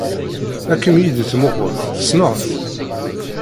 La kem-id-yettmuqqul. Tessned-t?